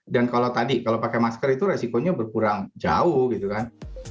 dan kalau tadi kalau pakai masker itu resikonya berkurang jauh gitu kan